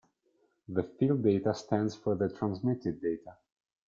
The field data stands for the transmitted data.